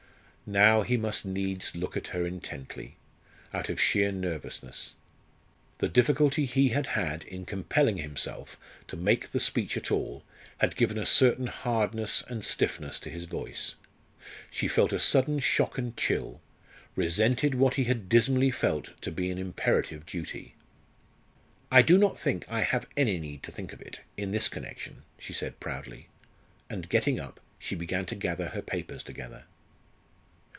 Now he must needs look at her intently, out of sheer nervousness. The difficulty he had had in compelling himself to make the speech at all had given a certain hardness and stiffness to his voice. She felt a sudden shock and chill resented what he had dismally felt to be an imperative duty. "I do not think I have any need to think of it in this connection," she said proudly. And getting up, she began to gather her papers together.